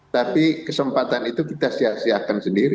tapi kesempatan itu kita siapkan sendiri